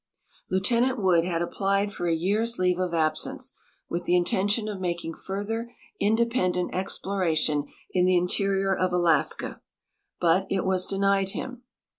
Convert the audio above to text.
Lieutenant Wood had applied for a year's leave of absence, with the intention of making further in; lependent ex[)loration in the interior of Alaska, ljut it was denied him.